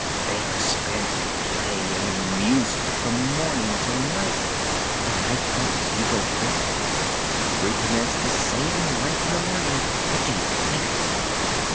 They are spent in play and amusement from morning till night. When night comes you go to bed, and recommence the same life in the morning. What do you think of it?"